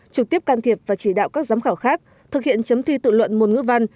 trực tiếp can thiệp và chỉ đạo các giám khảo khác thực hiện chấm thi tự luận môn ngữ văn